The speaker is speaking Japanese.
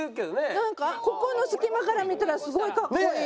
なんかここの隙間から見たらすごいかっこいい。